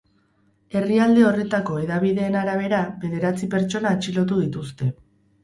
Herrialde horretako hedabideen arabera, bederatzi pertsona atxilotu dituzte.